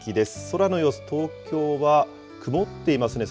空の様子、東京は曇っていますね。